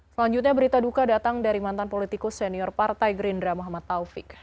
selanjutnya berita duka datang dari mantan politikus senior partai gerindra muhammad taufik